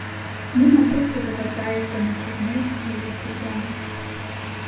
Ніна прудко повертається на чудний голос патрона.